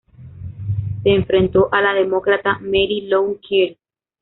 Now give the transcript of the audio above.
Se enfrentó a la demócrata Mary Lou Kearns.